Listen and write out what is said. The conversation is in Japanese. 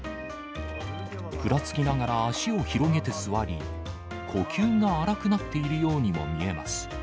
ふらつきながら足を広げて座り、呼吸が荒くなっているようにも見えます。